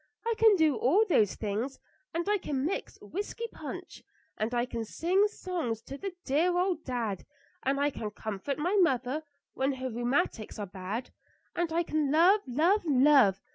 I can do all those things, and I can mix whisky punch, and I can sing songs to the dear old dad, and I can comfort my mother when her rheumatics are bad. And I can love, love, love!